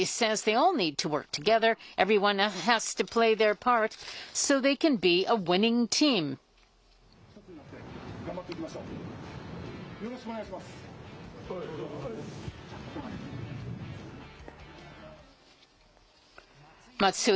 よろしくお願いします。